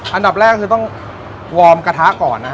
อันดับแรกคือต้องวอร์มกระทะก่อนนะฮะ